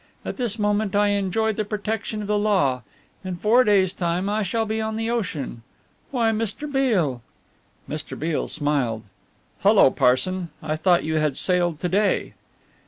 At this moment I enjoy the protection of the law. In four days' time I shall be on the ocean why, Mr. Beale?" Mr. Beale smiled. "Hullo, Parson I thought you had sailed to day."